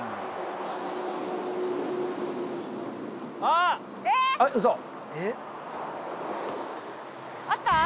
あぁ！えっ！？あった？